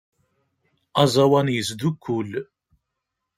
Aẓawan yesdukkul.